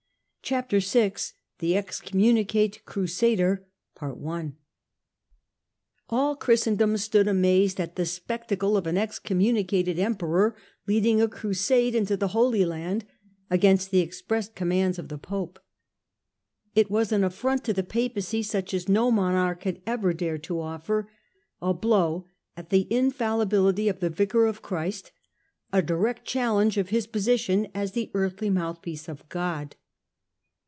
Chapter VI THE EXCOMMUNICATE CRUSADER A i Christendom stood amazed at the spectacle of an excommunicated Emperor leading a Crusade into the Holy Land against the express commands of the Pope. It was an affront to the Papacy such as no monarch had ever dared to offer, a blow at the infallibility of the Vicar of Christ, a direct challenge of his position as the earthly mouthpiece of God.